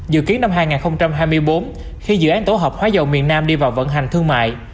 dự kiến năm hai nghìn hai mươi bốn khi dự án tổ hợp hóa dầu miền nam đi vào vận hành thương mại